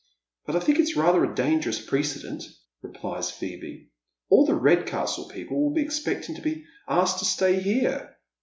But I think it's rather a dangerous precedent," replies Phoebe. "All the Eedcastle people will be expecting to be asked to stay here."